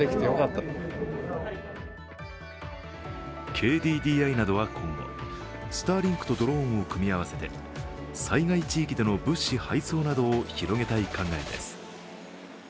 ＫＤＤＩなどは今後、スターリンクとドローンを組み合わせて災害地域での物資配送などを広げたい考えです。